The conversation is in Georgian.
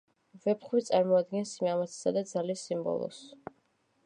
ვეფხვი წარმოადგენს სიმამაცისა და ძალის სიმბოლოს.